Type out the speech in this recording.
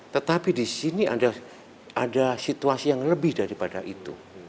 tetapi di sini ada situasi yang lebih daripada itu